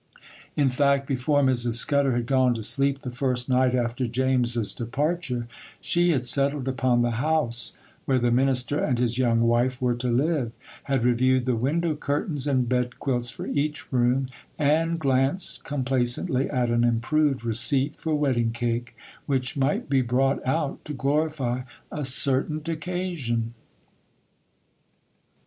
In fact, before Mrs. Scudder had gone to sleep the first night after James's departure, she had settled upon the house where the minister and his young wife were to live, had reviewed the window curtains and bed quilts for each room, and glanced complacently at an improved receipt for wedding cake, which might be brought out to glorify a certain occasion!